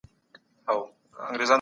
افغانان ساده خو زړور ول.